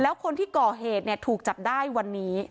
แล้วคนที่ก่อเหตุเนี่ยถูกจับได้วันนี้